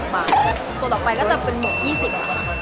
ตัวต่อไปก็จะเป็นหมวก๒๐ค่ะ